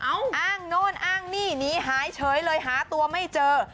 อ้างโน่นอ้างนี่หนีหายเฉยเลยหาตัวไม่เจอ